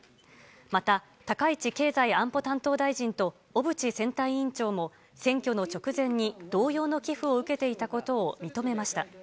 また、高市経済安保担当大臣と小渕選対委員長も、選挙の直前に同様の寄付を受けていたことを認めました。